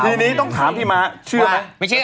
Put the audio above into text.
ทีนี้ต้องถามพี่ม้าเชื่อไหม